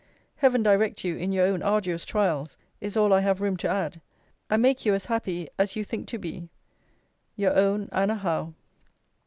Heaven direct you, in your own arduous trials, is all I have room to add; and make you as happy, as you think to be Your own ANNA HOWE.